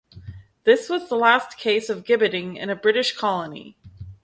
This was the last case of gibbeting in a British colony.